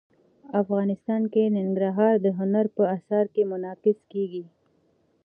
افغانستان کې ننګرهار د هنر په اثار کې منعکس کېږي.